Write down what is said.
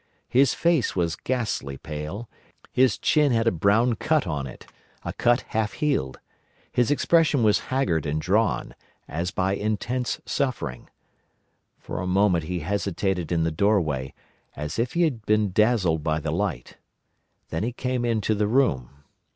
His face was ghastly pale; his chin had a brown cut on it—a cut half healed; his expression was haggard and drawn, as by intense suffering. For a moment he hesitated in the doorway, as if he had been dazzled by the light. Then he came into the room.